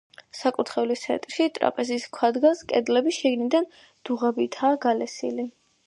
საკურთხევლის ცენტრში ტრაპეზის ქვა დგას კედლები შიგნიდან დუღაბითაა გალესილი.